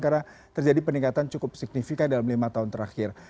karena terjadi peningkatan cukup signifikan dalam lima tahun terakhir